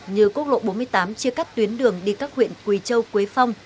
như quốc lộ bốn mươi tám chia cắt tuyến đường đi các huyện quỳ châu quế phong